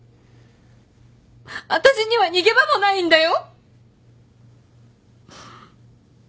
あたしには逃げ場もないんだよ。